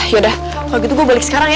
yaudah kalau gitu gue balik sekarang ya